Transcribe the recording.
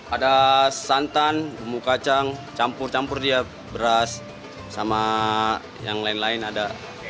ada santan bumbu kacang campur campur dia beras sama yang lain lain ada